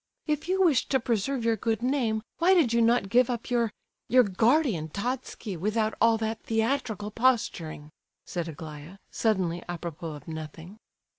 "If you wished to preserve your good name, why did you not give up your—your 'guardian,' Totski, without all that theatrical posturing?" said Aglaya, suddenly a propos of nothing.